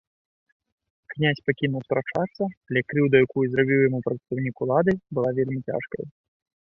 Князь пакінуў спрачацца, але крыўда, якую зрабіў яму прадстаўнік улады, была вельмі цяжкаю.